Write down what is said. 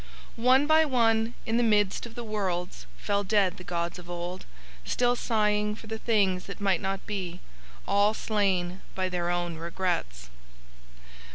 "One by one in the midst of the worlds, fell dead the gods of Old, still sighing for the things that might not be, all slain by Their own regrets.